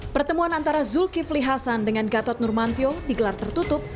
pertemuan antara zulkifli hasan dengan gatot nurmantio digelar tertutup